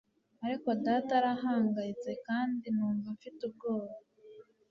Ariko data arahangayitse kandi numva mfite ubwoba.